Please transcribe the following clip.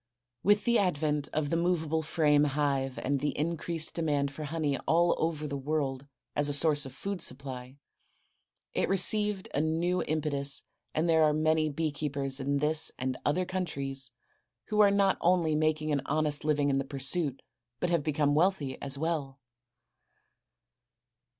With the advent of the movable frame hive and the increased demand for honey all over the world as a source of food supply, it received a new impetus and there are many bee keepers in this and other countries who are not only making an honest living in the pursuit, but have become wealthy as well.